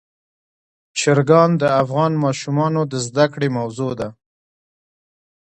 چرګان د افغان ماشومانو د زده کړې موضوع ده.